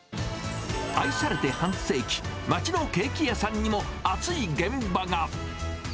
愛されて半世紀、町のケーキ屋さんにもあつい現場が。